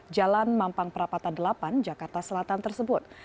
jalan mampang perapatan delapan jakarta selatan tersebut